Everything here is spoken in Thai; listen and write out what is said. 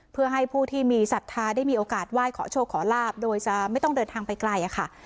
เพื่อให้ผู้ที่มีศรัทธาได้มีโอกาสไหว้ขอโชคขอลาบโดยจะไม่ต้องเดินทางไปไกลค่ะ